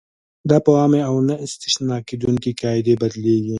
دا په عامې او نه استثنا کېدونکې قاعدې بدلیږي.